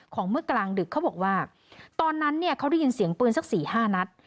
เมื่อกลางดึกเขาบอกว่าตอนนั้นเนี่ยเขาได้ยินเสียงปืนสัก๔๕นัด